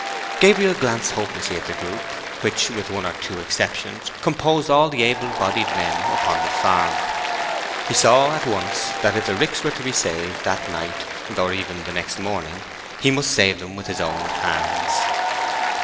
Gabriel glanced hopelessly at the group, which, with one or two exceptions, composed all the able bodied men upon the farm. He saw at once that if the ricks were to be saved that night, or even the next morning, he must save them with his own hands.